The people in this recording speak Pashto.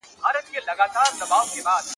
چي د ښار خلک به ستړي په دعا کړم؛